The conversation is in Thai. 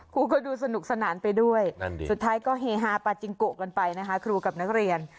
ครูก็ดูสนุกสนานไปด้วยนั่นดิสุดท้ายก็เฮฮาปาจิงโกะกันไปนะคะครูกับนักเรียน